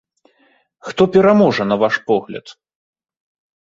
Хто пераможа на ваш погляд?